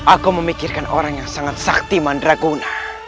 aku memikirkan orang yang sangat saktiman